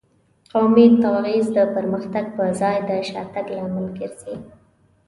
قومي تبعیض د پرمختګ په ځای د شاتګ لامل ګرځي.